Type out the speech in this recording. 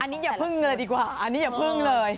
อันนี้อย่าพึ่งเลยดีกว่าอันนี้อย่าพึ่งเลย